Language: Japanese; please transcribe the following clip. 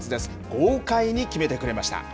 豪快に決めてくれました。